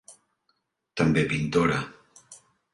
També pintora.